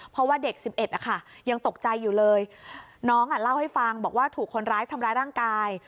เพราะว่าเด็ก๑๑นะคะยังตกใจอยู่เลยน้องอ่ะเล่าให้ฟังบอกว่าถูกคนร้ายทำร้ายร่างกาย